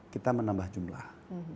kita menambah jumlah